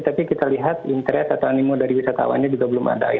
tapi kita lihat interest atau animo dari wisatawannya juga belum ada